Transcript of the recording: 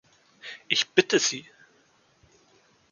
Ich bitte Sie!